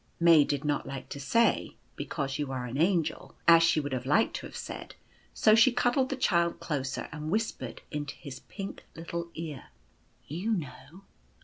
May did not like to say, " Because you are an Angel," as she would like to have said, so she cuddled the Child closer and whispered into his little pink ear : "You know."